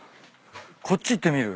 こっち行ってみる？